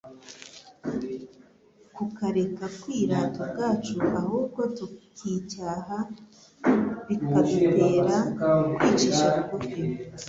"kukareka kwirata ubwacu ahubwo tukicyaha bikadutera kwicisha bugufi.